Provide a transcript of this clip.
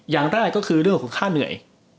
อย่างแรกก็คือเรื่องของค่าเหนื่อย